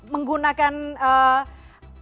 menggunakan kartu selain itu